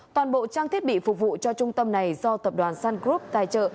toàn bộ trang thiết bị phục vụ cho trung tâm này do tập đoàn sun group tài trợ